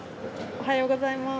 おはようございます。